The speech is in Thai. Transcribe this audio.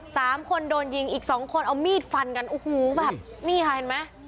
สามคนโดนยิงอีกสองคนเอามีดฟันกันโอ้โหแบบนี่ค่ะเห็นไหม